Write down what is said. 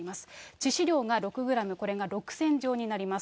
致死量が６グラム、これが６０００錠になります。